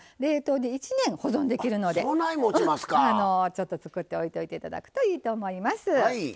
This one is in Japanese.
ちょっと作っておいといて頂くといいと思います。